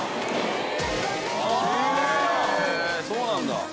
へえそうなんだ。